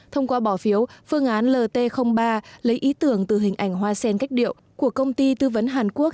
thông qua bỏ phiếu phương án lt ba lấy ý tưởng từ hình ảnh hoa sen cách điệu của công ty tư vấn hàn quốc